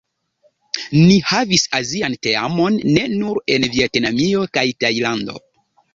Ni havis Azian teamon ne nur en Vjetnamio kaj Tajlando.